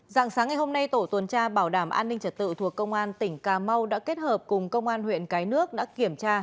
dạng sáng ngày hôm nay tổ tuần tra bảo đảm an ninh trật tự thuộc công an tỉnh cà mau đã kết hợp cùng công an huyện cái nước đã kiểm tra